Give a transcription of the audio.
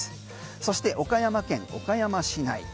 そして岡山県岡山市内。